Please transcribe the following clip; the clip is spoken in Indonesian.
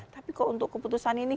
tapi kok untuk keputusan ini